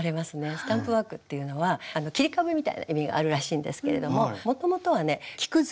スタンプワークっていうのは切り株みたいな意味があるらしいんですけれどももともとはね木くず？